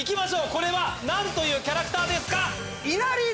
これは何というキャラクターですか？